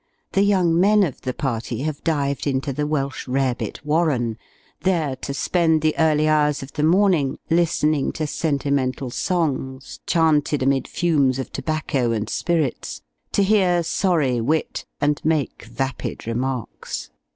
The young men of the party have dived into "The Welsh Rarebit Warren," there to spend the early hours of the morning, listening to sentimental songs chanted amid fumes of tobacco and spirits, to hear sorry wit, and make vapid remarks.